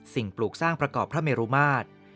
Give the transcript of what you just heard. ปลูกสร้างประกอบพระเมรุมาตร